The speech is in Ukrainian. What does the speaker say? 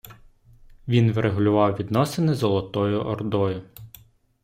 Він врегулював відносини з Золотою Ордою.